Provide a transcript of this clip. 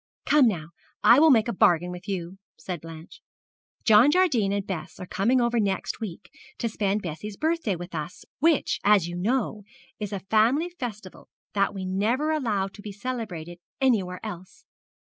'Come now, I will make a bargain with you,' said Blanche. 'John Jardine and Bess are coming over next week to spend Bessie's birthday with us, which, as you know, is a family festival that we never allow to be celebrated anywhere else.